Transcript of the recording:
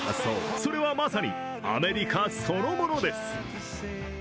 それはまさにアメリカそのものです。